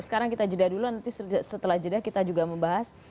sekarang kita jeda dulu nanti setelah jeda kita juga membahas